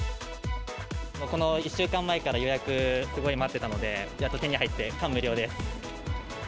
この１週間前から予約、すごい待ってたので、やっと手に入って感無量です。